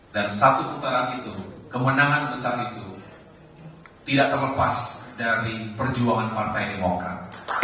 dan satu putaran itu kemenangan besar itu tidak terlepas dari perjuangan partai di mokar